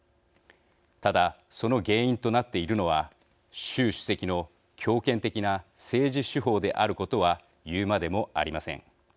ただ、その原因となっているのは習主席の強権的な政治手法であることは言うまでもありません。